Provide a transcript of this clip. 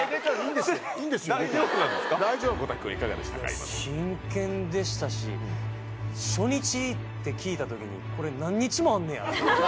いや真剣でしたし初日って聞いた時にこれ何日もあんねやと思って。